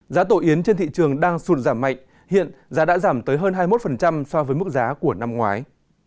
giá tổ yến trên thị trường đang sụt giảm mạnh hiện giá đã giảm tới hơn hai mươi một so với mức giá của năm ngoái